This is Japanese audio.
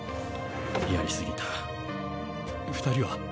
やりすぎた２人は？